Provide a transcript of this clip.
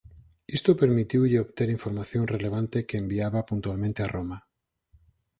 Isto permitiulle obter información relevante que enviaba puntualmente a Roma.